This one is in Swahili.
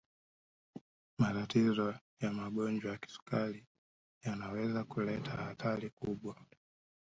matatizo ya magonjwa kisukari yanaweza kuleta hatari kubwa